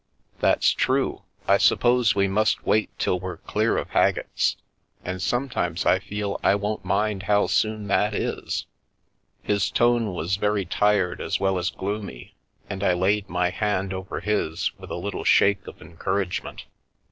,," That's true ! I suppose we must wait till we're clear of Haggett's. And sometimes I feel I won't mind how soon that is." His tone was very tired as well as gloomy, and I laid my hand over his with a little shake of encouragement.